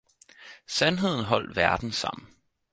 Sandheden holdt verden sammen.